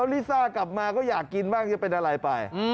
ลิซ่ากลับมาก็อยากกินบ้างจะเป็นอะไรไป